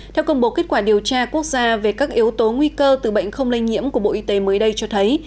theo công bố kết quả điều tra quốc gia về các yếu tố nguy cơ từ bệnh không lây nhiễm của bộ y tế mới đây cho thấy